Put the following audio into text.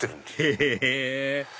へぇ！